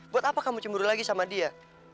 buat apa kamu cemburu lagi sama dia